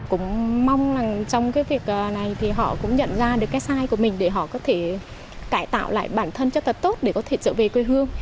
cũng mong trong việc này họ cũng nhận ra được cái sai của mình để họ có thể cải tạo lại bản thân cho tật tốt để có thể trở về quê hương